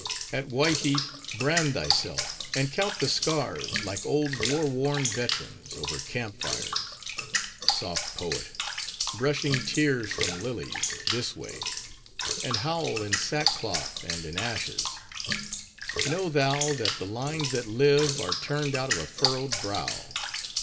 At white heat, brand thyself; and count the scars, like old war worn veterans, over camp fires. Soft poet! brushing tears from lilies—this way! and howl in sackcloth and in ashes! Know, thou, that the lines that live are turned out of a furrowed brow.